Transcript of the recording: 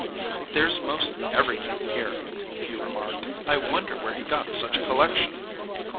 "There s most everything here," he remarked. "I wonder where he got such a collection."